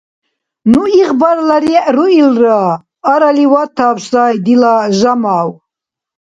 Ну игъбарла регӀ руилра. Арали ватаб сай, дила Жамав...